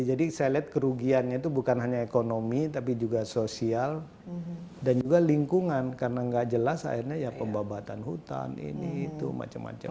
jadi saya lihat kerugiannya itu bukan hanya ekonomi tapi juga sosial dan juga lingkungan karena nggak jelas akhirnya ya pembabatan hutan ini itu macem macem